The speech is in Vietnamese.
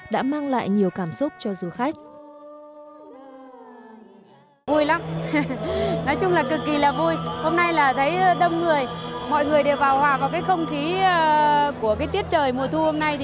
đã mang lại nhiều cảm xúc cho du khách